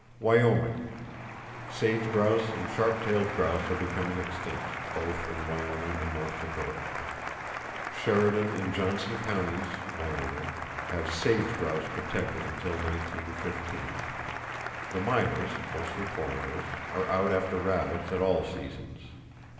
Wyoming: Sage grouse and sharp tailed grouse are becoming extinct, both in Wyoming and North Dakota. Sheridan and Johnson Counties (Wyoming) have sage grouse protected until 1915. The miners (mostly foreigners) are out after rabbits at all seasons.